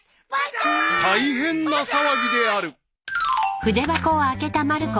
［大変な騒ぎである］